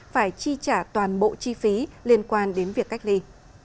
phải chi trả toàn bộ chi phí liên quan đến việc cách ly